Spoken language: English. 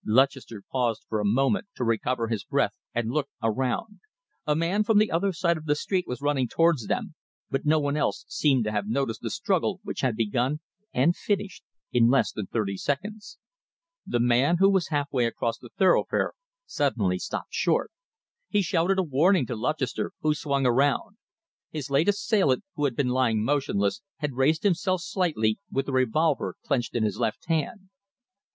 Lutchester paused for a moment to recover his breath and looked around. A man from the other side of the street was running towards them, but no one else seemed to have noticed the struggle which had begun and finished in less than thirty seconds. The man, who was half way across the thoroughfare, suddenly stopped short. He shouted a warning to Lutchester, who swung around. His late assailant, who had been lying motionless, had raised himself slightly, with a revolver clenched in his left hand.